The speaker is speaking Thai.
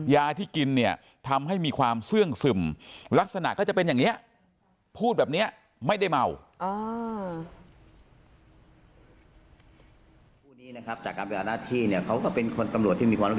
ยาที่กินเนี่ยทำให้มีความเสื่องซึมลักษณะก็จะเป็นอย่างนี้พูดแบบนี้ไม่ได้เมา